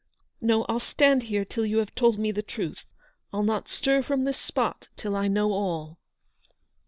" No, I'll stand here till you have told me the truth. I'll not stir from this spot till I know all."